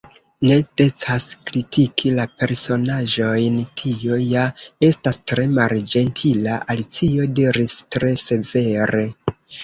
"Ne decas kritiki la personaĵojn; tio ja estas tre malĝentila." Alicio diris tre severe.